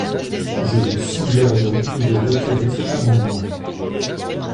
Je vous suggère donc de retirer cet amendement.